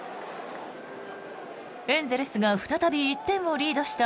エンゼルスが再び１点をリードした